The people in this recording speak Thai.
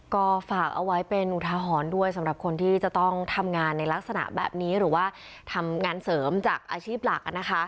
ก็ฝากเอาไว้เป็นอุทาหรณ์ด้วยสำหรับคนที่จะต้องทำงานในลักษณะแบบนี้หรือว่าทำงานเสริมจากอาชีพหลัก